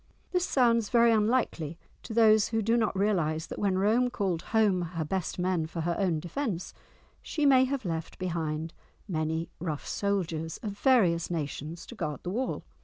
This sounds very unlikely to those who do not realise that when Rome called home her best men for her own defence she may have left behind many rough soldiers, of various nations, to guard the wall.